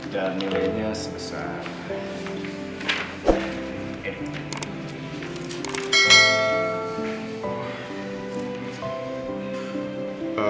dan nilainya sebesar